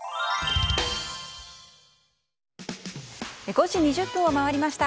５時２０分を回りました。